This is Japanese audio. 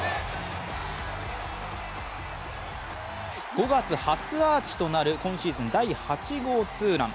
５月初アーチとなる今シーズン第８号ツーラン。